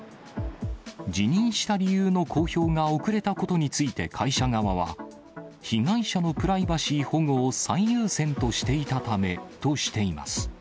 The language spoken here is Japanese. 辞任した理由の公表が遅れたことについて会社側は、被害者のプライバシー保護を最優先としていたためとしています。